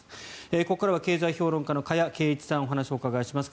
ここからは経済評論家の加谷珪一さんにお話をお伺いします。